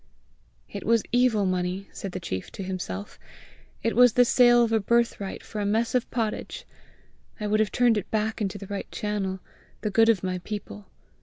"It was evil money!" said the chief to himself; "it was the sale of a birthright for a mess of pottage! I would have turned it back into the right channel, the good of my people!